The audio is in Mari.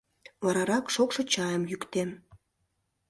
Варарак шокшо чайым йӱктем.